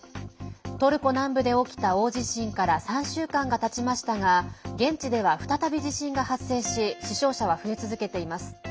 トルコ南部で起きた大地震から３週間がたちましたが現地では再び地震が発生し死傷者は増え続けています。